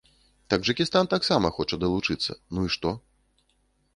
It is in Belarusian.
Таджыкістан таксама хоча далучыцца, ну і што?